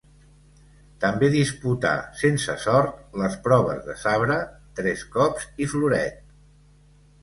També disputà, sense sort, les proves de sabre, tres cops i floret.